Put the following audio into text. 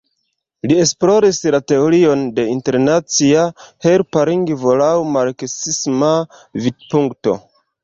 Li esploris la teorion de internacia helpa lingvo laŭ marksisma vidpunkto.